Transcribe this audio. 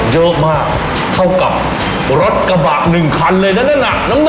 เยอะมากเท่ากับรถกระบะ๑คันเลยนะนั่นน่ะน้ำเงิน